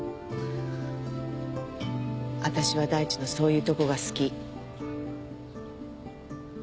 私は大地のそういうとこが好き。